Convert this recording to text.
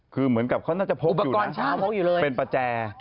คือเหมือนกับเขาน่าจะพกอยู่นะเป็นประแจ